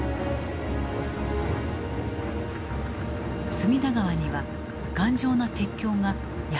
隅田川には頑丈な鉄橋が８つ完成。